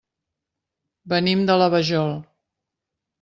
Venim de la Vajol.